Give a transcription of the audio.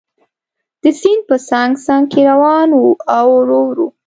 د سیند په څنګ څنګ کې روان و او ورو ورو.